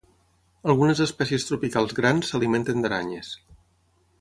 Algunes espècies tropicals grans s'alimenten d'aranyes.